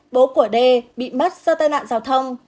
bố của đê bị mất do tai nạn giao thông